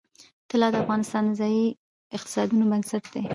طلا د افغانستان د ځایي اقتصادونو بنسټ دی.